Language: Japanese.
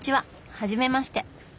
はじめまして。